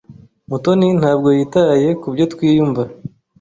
Mutoni ntabwo yitaye kubyo twiyumva.